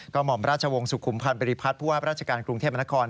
หม่อมราชวงศ์สุขุมพันธ์บริพัฒน์ผู้ว่าราชการกรุงเทพมนคร